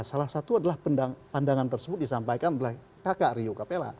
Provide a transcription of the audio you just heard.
salah satu adalah pandangan tersebut disampaikan oleh kakak rio capella